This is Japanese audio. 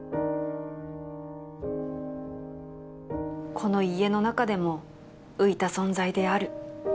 「この家の中でも浮いた存在である」